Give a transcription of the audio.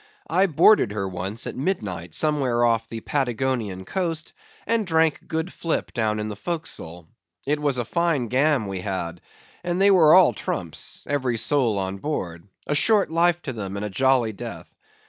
I boarded her once at midnight somewhere off the Patagonian coast, and drank good flip down in the forecastle. It was a fine gam we had, and they were all trumps—every soul on board. A short life to them, and a jolly death.